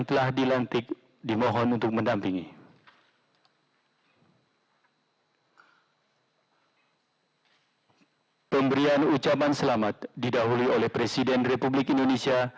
kepada yang terhormat presiden republik indonesia